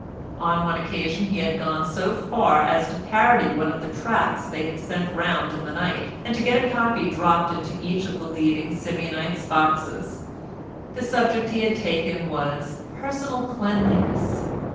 On one occasion he had gone so far as to parody one of the tracts they had sent round in the night, and to get a copy dropped into each of the leading Simeonites' boxes. The subject he had taken was "Personal Cleanliness."